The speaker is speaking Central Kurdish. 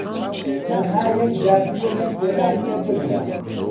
تەنھا یەکجار گوێ لەم گۆرانیە بگرە